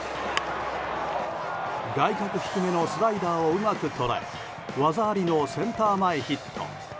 外角低めのスライダーをうまく捉え技ありのセンター前ヒット。